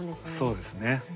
そうですね。